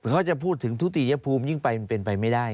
เขาจะพูดถึงทุติยภูมิยิ่งไปมันเป็นไปไม่ได้